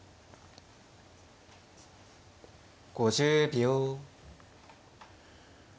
５０秒。